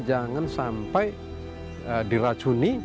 jangan sampai diracuni